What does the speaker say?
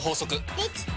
できた！